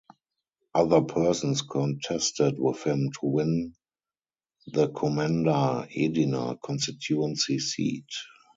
Other persons contested with him to win the Komenda Edina constituency seat.